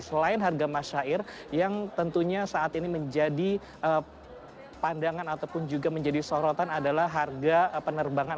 selain harga masyair yang tentunya saat ini menjadi pandangan ataupun juga menjadi sorotan adalah harga penerbangan